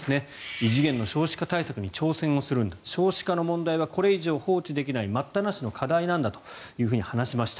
異次元の少子化対策に挑戦をするんだ少子化の問題はこれ以上放置できない待ったなしの課題なんだと話しました。